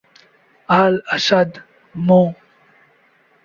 Al-Assad, Md.